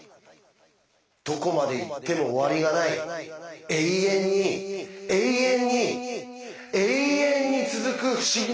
どこまで行っても終わりがない永遠に永遠にえいえんに続く不思議な世界。